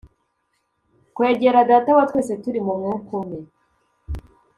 kwegera data wa twese turi mu mwuka umwe